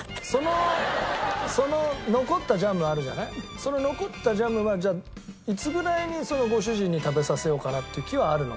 その残ったジャムはじゃあいつぐらいにご主人に食べさせようかなっていう気はあるの？